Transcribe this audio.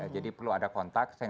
jadi perlu ada kontak